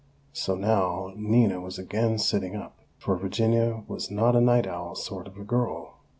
So now Nina was again sitting up, for Virginia was not a night owl sort of a girl.